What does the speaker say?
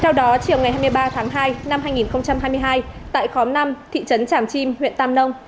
theo đó chiều ngày hai mươi ba tháng hai năm hai nghìn hai mươi hai tại khóm năm thị trấn tràm chim huyện tam nông